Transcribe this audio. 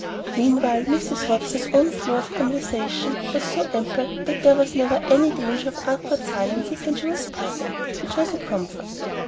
Meanwhile, Mrs. Watson's own flow of conversation was so ample that there was never any danger of awkward silences when she was present, which was a comfort.